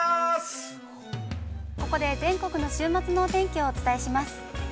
◆ここで全国の週末のお天気をお伝えします。